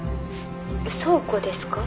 倉庫ですか？